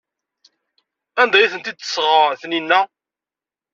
Anda ay tent-id-tesɣa Taninna?